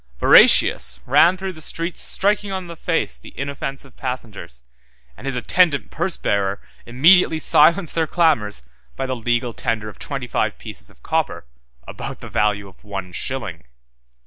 Veratius ran through the streets striking on the face the inoffensive passengers, and his attendant purse bearer immediately silenced their clamors by the legal tender of twenty five pieces of copper, about the value of one shilling.